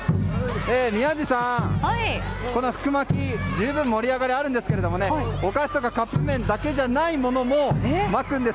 宮司さん、この福まき十分盛り上がりがあるんですがお菓子とかカップ麺だけじゃないものもまくんです。